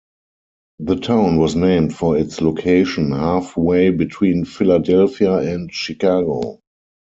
The town was named for its location halfway between Philadelphia and Chicago.